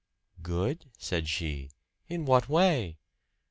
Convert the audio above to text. "Good?" said she. "In what way?"